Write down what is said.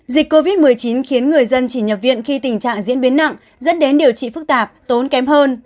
dịch covid một mươi chín khiến người dân chỉ nhập viện khi tình trạng diễn biến nặng dẫn đến điều trị phức tạp tốn kém hơn